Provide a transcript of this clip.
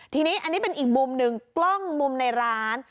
ทีนี้อันนี้เป็นอีกมุมหนึ่งกล้องมุมในร้าน